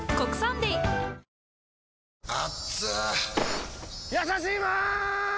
ニトリやさしいマーン！！